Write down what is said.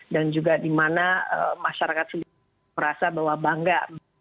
dan juga dimana masyarakat merasa bahwa bangga